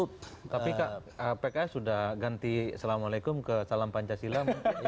tapi kak pks sudah ganti assalamualaikum ke salam pancasila